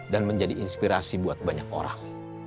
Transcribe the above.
dan menjadi inspirasi buat banyak orang